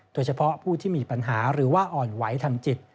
โดยเฉพาะผู้ที่มีปัญหาหรือว่าอ่อนไหวทางจิต